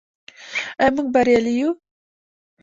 آیا موږ بریالي یو؟